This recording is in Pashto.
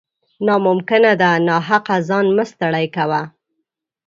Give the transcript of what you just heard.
نا ممکنه ده ، ناحقه ځان مه ستړی کوه